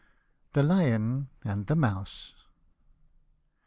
THE LION AND THE MOUSE.